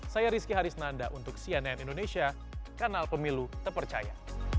saya rizky harisnanda untuk cnn indonesia kanal pemilu terpercaya